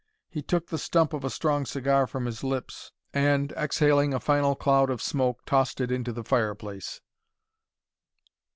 He took the stump of a strong cigar from his lips and, exhaling a final cloud of smoke, tossed it into the fireplace.